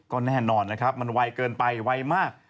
ก็แน่นอนนะครับมันไวเกินไปไวมาก